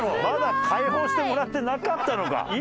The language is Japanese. まだ解放してもらってなかったのか。